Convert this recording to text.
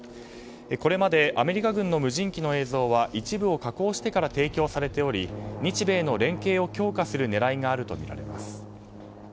これまでアメリカ軍の無人機の映像は、一部を加工してから提供されており日米の連携を強化する狙いがあるとみられます。